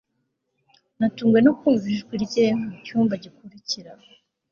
natunguwe no kumva ijwi rye mucyumba gikurikira